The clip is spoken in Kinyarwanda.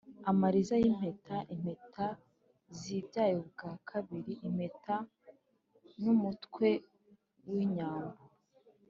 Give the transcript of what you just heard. amariza y’impeta: impeta zibyaye ubwa kabiri impeta ni umutwe w’inyambo